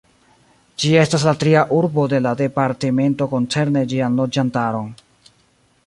Ĝi estas la tria urbo de la departemento koncerne ĝian loĝantaron.